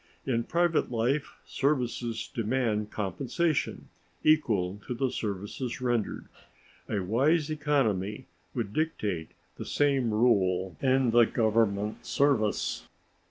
In private life services demand compensation equal to the services rendered; a wise economy would dictate the same rule in the Government service.